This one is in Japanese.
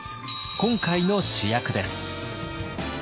今回の主役です。